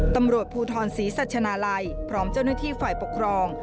ตำรวจภูทรศรีสัชนาลัยพร้อมเจ้าหน้าที่ฝ่ายปกครอง